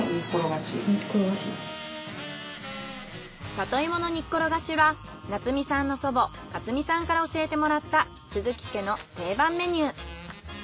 里芋の煮っころがしは夏実さんの祖母かつみさんから教えてもらった鈴木家の定番メニュー。